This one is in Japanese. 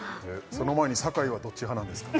その前に酒井はどっち派なんですか？